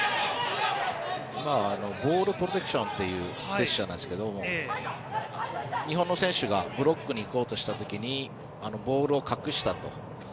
今はボールプロテクションというジェスチャーなんですけど日本の選手がブロックに行こうとした時にボールを隠したと。